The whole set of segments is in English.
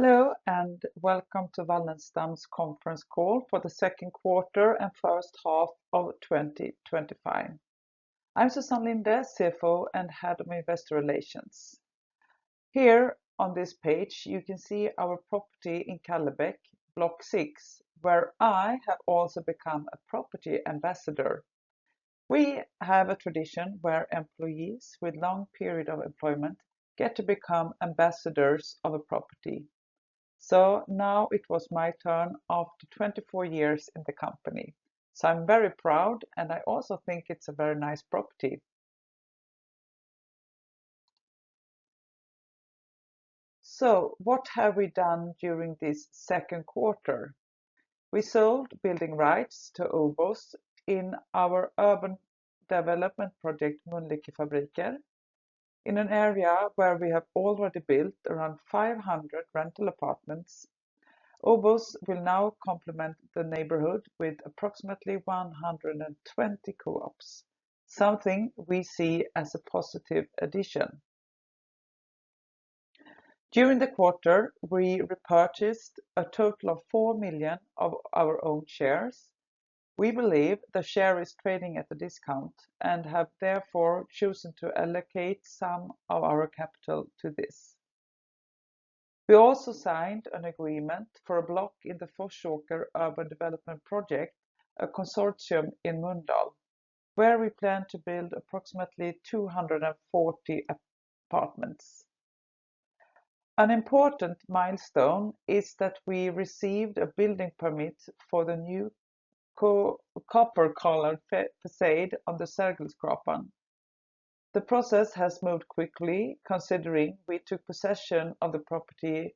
Hello and welcome to Wallenstam's conference call for the second quarter and first half of 2025. I'm Susann Linde, CFO and Head of Investor Relations. Here on this page, you can see our property in Kallebäck, Block 6, where I have also become a property ambassador. We have a tradition where employees with a long period of employment get to become ambassadors of a property. Now it was my turn after 24 years in the company. I'm very proud, and I also think it's a very nice property. What have we done during this second quarter? We sold building rights to OBOS in our urban development project, Mölnlycke Fabriker, in an area where we have already built around 500 rental apartments. OBOS will now complement the neighborhood with approximately 120 co-ops, something we see as a positive addition. During the quarter, we repurchased a total of 4 million of our own shares. We believe the share is trading at a discount and have therefore chosen to allocate some of our capital to this. We also signed an agreement for a block in the Forsåker urban development project, a consortium in Mölndal, where we plan to build approximately 240 apartments. An important milestone is that we received a building permit for the new copper-colored facade on the Sergelskrapan. The process has moved quickly considering we took possession of the property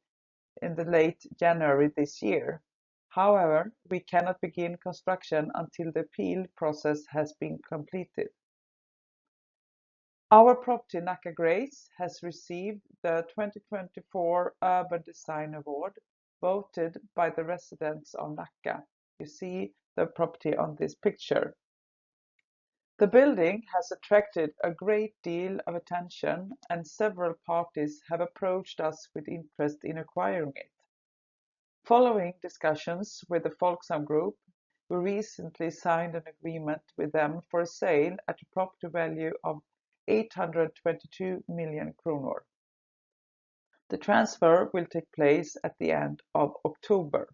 in late January this year. However, we cannot begin construction until the appeal process has been completed. Our property, Nacka Grace, has received the 2024 Urban Design Award voted by the residents of Nacka. You see the property on this picture. The building has attracted a great deal of attention, and several parties have approached us with interest in acquiring it. Following discussions with the Folksam Group, we recently signed an agreement with them for a sale at a property value of 822 million kronor. The transfer will take place at the end of October.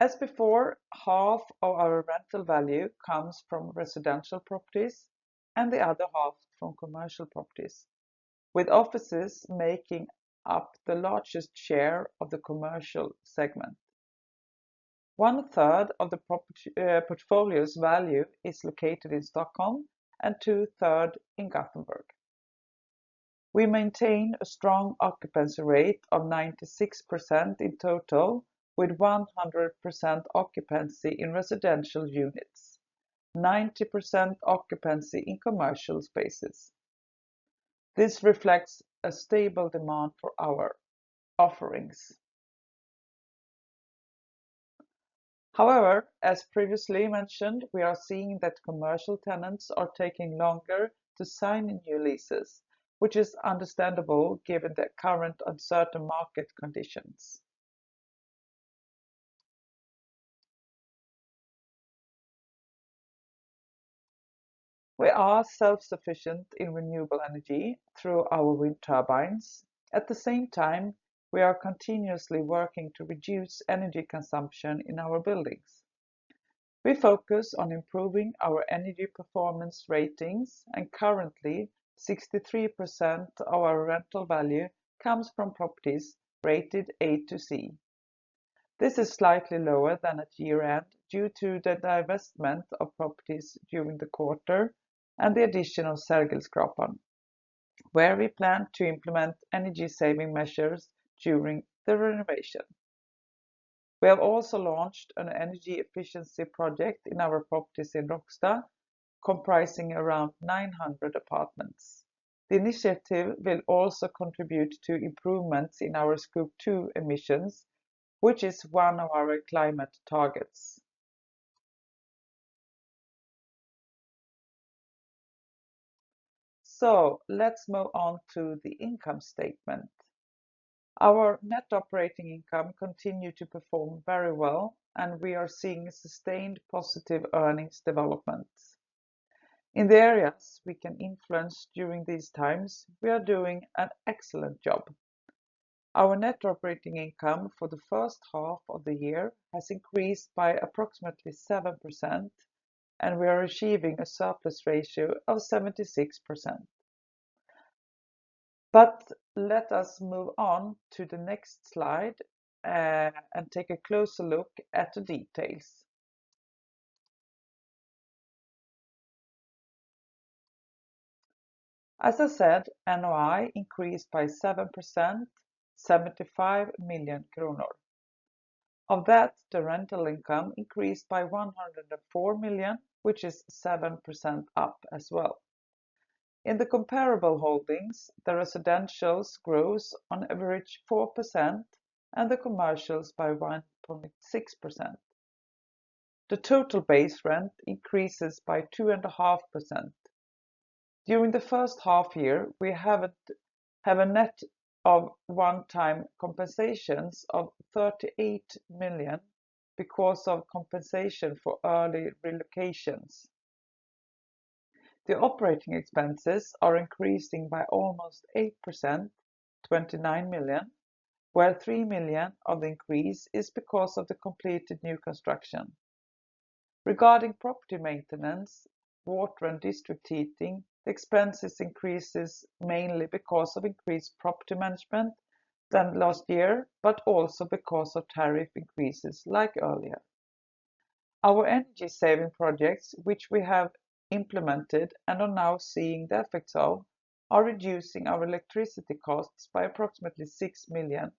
As before, half of our rental value comes from residential properties and the other half from commercial properties, with offices making up the largest share of the commercial segment. One third of the portfolio's value is located in Stockholm and two thirds in Gothenburg. We maintain a strong occupancy rate of 96% in total, with 100% occupancy in residential units, and 90% occupancy in commercial spaces. This reflects a stable demand for our offerings. However, as previously mentioned, we are seeing that commercial tenants are taking longer to sign new leases, which is understandable given the current uncertain market conditions. We are self-sufficient in renewable energy through our wind turbines. At the same time, we are continuously working to reduce energy consumption in our buildings. We focus on improving our energy performance ratings, and currently, 63% of our rental value comes from properties rated A to C. This is slightly lower than at year-end due to the divestment of properties during the quarter and the addition of Sergelskrapan, where we plan to implement energy-saving measures during the renovation. We have also launched an energy efficiency project in our properties in Rågsved, comprising around 900 apartments. The initiative will also contribute to improvements in our Scope 2 emissions, which is one of our climate targets. Let's move on to the income statement. Our net operating income continues to perform very well, and we are seeing sustained positive earnings developments. In the areas we can influence during these times, we are doing an excellent job. Our net operating income for the first half of the year has increased by approximately 7%, and we are achieving a surplus ratio of 76%. Let us move on to the next slide and take a closer look at the details. As I said, NOI increased by 7%, 75 million kronor. Of that, the rental income increased by 104 million, which is 7% up as well. In the comparable holdings, the residentials rose on average 4% and the commercials by 1.6%. The total base rent increases by 2.5%. During the first half year, we have a net of one-time compensations of 38 million because of compensation for early relocations. The operating expenses are increasing by almost 8%, 29 million, while 3 million of the increase is because of the completed new construction. Regarding property maintenance, water, and district heating, the expenses increase mainly because of increased property management than last year, but also because of tariff increases like earlier. Our energy-saving projects, which we have implemented and are now seeing the effects of, are reducing our electricity costs by approximately 6 million.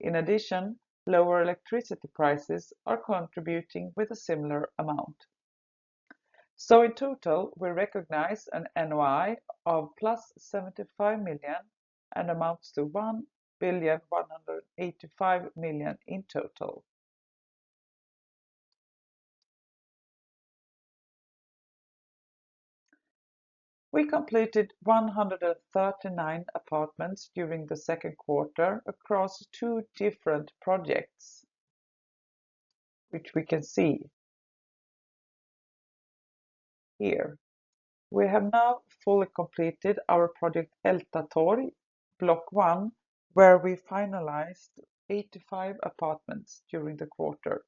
In addition, lower electricity prices are contributing with a similar amount. In total, we recognize an NOI of +75 million and amounts to 1.185 billion in total. We completed 139 apartments during the second quarter across two different projects, which we can see here. We have now fully completed our project Älta Torg Block 1, where we finalized 85 apartments during the quarter.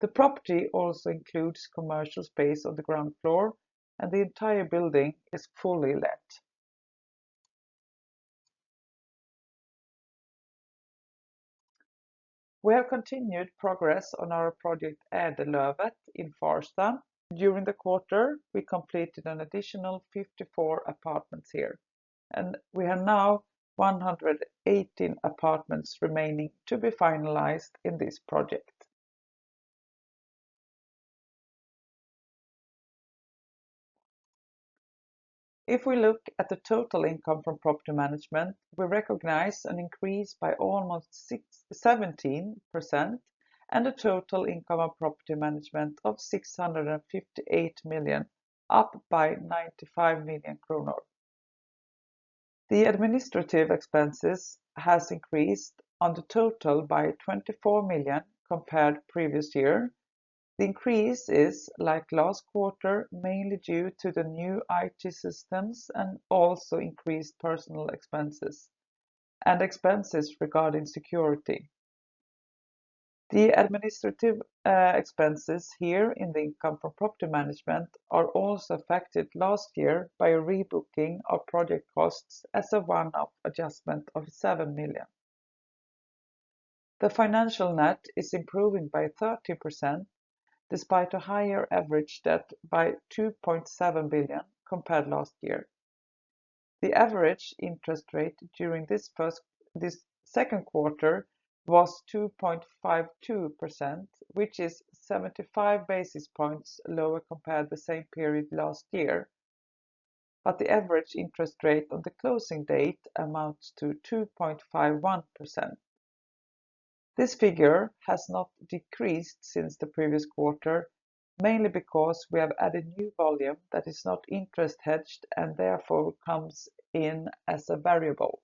The property also includes commercial space on the ground floor, and the entire building is fully let. We have continued progress on our project Ädellövet in Farsta. During the quarter, we completed an additional 54 apartments here, and we have now 118 apartments remaining to be finalized in this project. If we look at the total income from property management, we recognize an increase by almost 17% and a total income of property management of 658 million, up by 95 million kronor. The administrative expenses have increased on the total by 24 million compared to the previous year. The increase is, like last quarter, mainly due to the new IT systems and also increased personnel expenses and expenses regarding security. The administrative expenses here in the income from property management are also affected last year by a rebooking of project costs as a one-off adjustment of 7 million. The financial net is improving by 30% despite a higher average debt by 2.7 billion compared to last year. The average interest rate during this second quarter was 2.52%, which is 75 basis points lower compared to the same period last year, but the average interest rate on the closing date amounts to 2.51%. This figure has not decreased since the previous quarter, mainly because we have added new volume that is not interest hedged and therefore comes in as a variable.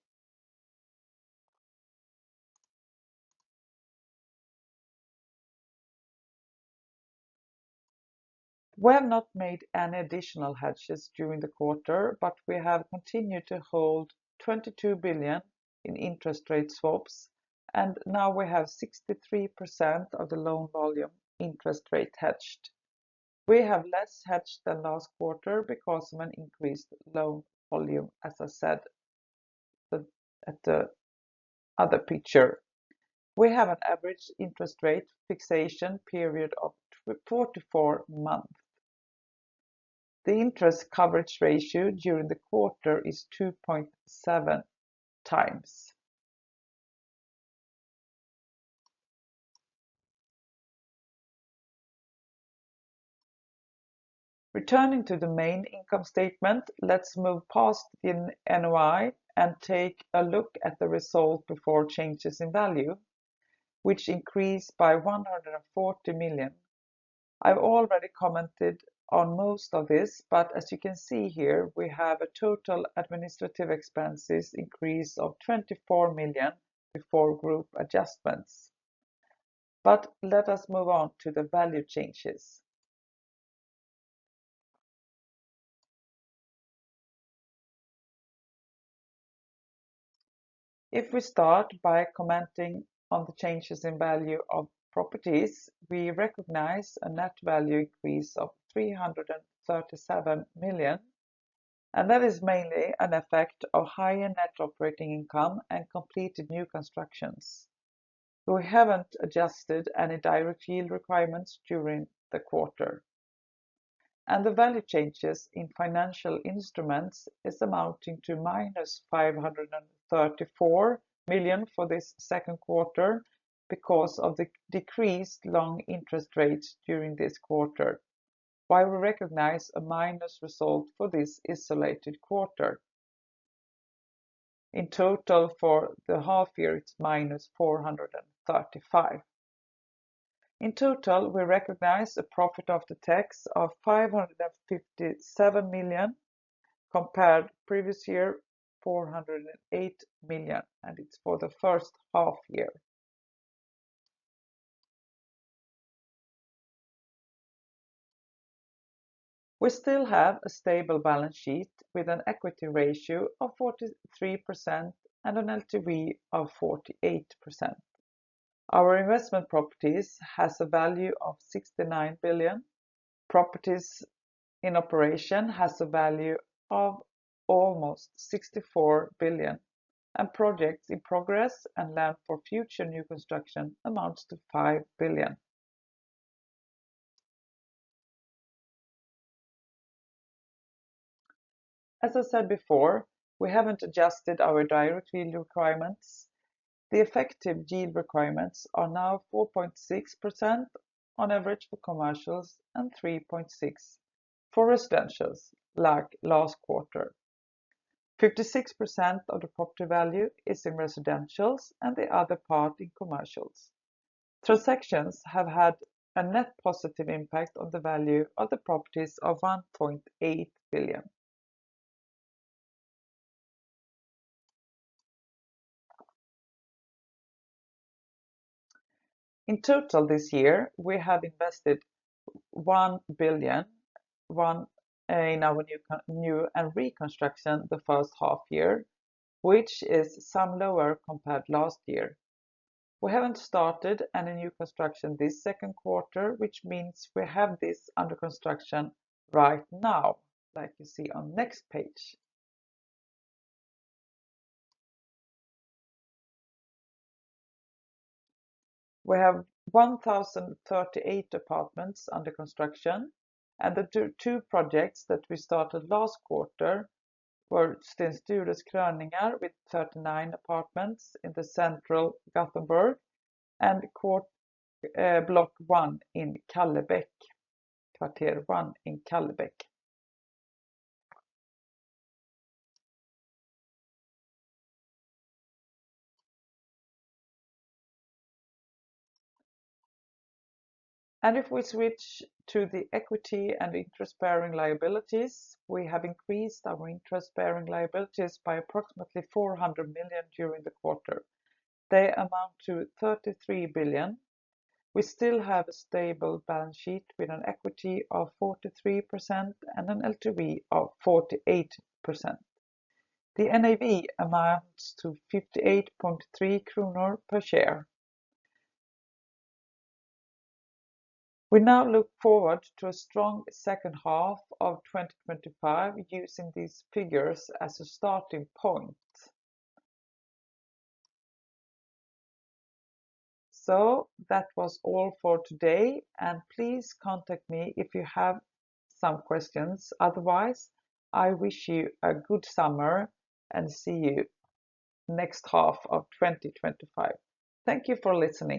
We have not made any additional hedges during the quarter, but we have continued to hold 22 billion in interest rate swaps, and now we have 63% of the loan volume interest rate hedged. We have less hedged than last quarter because of an increased loan volume, as I said at the other picture. We have an average interest rate fixation period of 44 months. The interest coverage ratio during the quarter is 2.7x. Returning to the main income statement, let's move past the NOI and take a look at the result before changes in value, which increased by 140 million. I've already commented on most of this, but as you can see here, we have a total administrative expenses increase of 24 million before group adjustments. Let us move on to the value changes. If we start by commenting on the changes in value of properties, we recognize a net value increase of 337 million, and that is mainly an effect of higher net operating income and completed new constructions. We haven't adjusted any direct yield requirements during the quarter. The value changes in financial instruments are amounting to -534 million for this second quarter because of the decreased long interest rates during this quarter, while we recognize a minus result for this isolated quarter. In total, for the half year, it's -435 million. In total, we recognize a profit after tax of 557 million compared to the previous year of 408 million, and it's for the first half year. We still have a stable balance sheet with an equity ratio of 43% and an LTV of 48%. Our investment properties have a value of 69 billion. Properties in operation have a value of almost 64 billion, and projects in progress and land for future new construction amount to 5 billion. As I said before, we haven't adjusted our direct yield requirements. The effective yield requirements are now 4.6% on average for commercials and 3.6% for residential units like last quarter. 56% of the property value is in residential units and the other part in commercial spaces. Transactions have had a net positive impact on the value of the properties of 1.8 billion. In total, this year, we have invested 1 billion in our new and reconstruction the first half year, which is some lower compared to last year. We haven't started any new construction this second quarter, which means we have this under construction right now, like you see on the next page. We have 1,038 apartments under construction, and the two projects that we started last quarter were Sten Stures kröningar, with 39 apartments in central Gothenburg, and Block 1 in Kallebäck, Kvarter 1 in Kallebäck. If we switch to the equity and interest-bearing liabilities, we have increased our interest-bearing liabilities by approximately 400 million during the quarter. They amount to 33 billion. We still have a stable balance sheet with an equity of 43% and an LTV of 48%. The NAV amounts to 58.3 kronor per share. We now look forward to a strong second half of 2025 using these figures as a starting point. That was all for today, and please contact me if you have some questions. Otherwise, I wish you a good summer and see you in the next half of 2025. Thank you for listening.